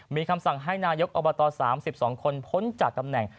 มีคำสั่งให้นายกอบต๓๒คนพ้นจากตำแหน่ง